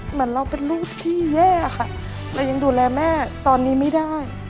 เหมือนเราเป็นลูกที่แย่ค่ะเรายังดูแลแม่ตอนนี้ไม่ได้